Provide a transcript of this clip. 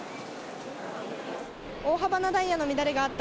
大幅なダイヤの乱れがあった